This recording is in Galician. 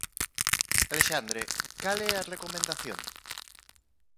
Alexandre, cal é a recomendación?